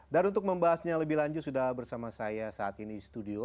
dan untuk membahasnya lebih lanjut sudah bersama saya saat ini di studio